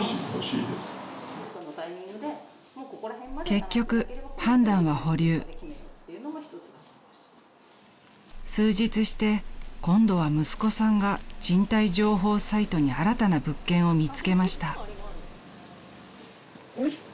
［結局判断は保留］［数日して今度は息子さんが賃貸情報サイトに新たな物件を見つけました］